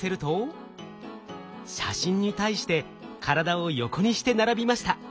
写真に対して体を横にして並びました。